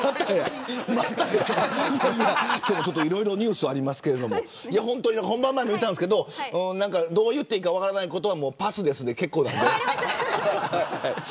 今日はいろいろなニュースがありますが本番前に言ったんですけどどう言っていいか分からないことはパスですで結構です。